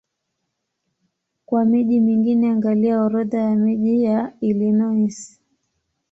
Kwa miji mingine angalia Orodha ya miji ya Illinois.